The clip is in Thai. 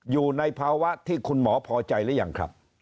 อยู่ในภาวะที่คุณหมอพอใจหรือยังครับ